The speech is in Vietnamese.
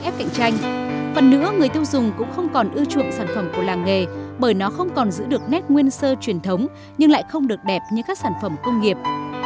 phần nữa người tiêu dùng cũng không còn ưu chuộng sản phẩm của làng nghề bởi nó không còn giữ được nét nguyên sơ truyền thống nhưng lại không được đẹp như các sản phẩm công nghiệp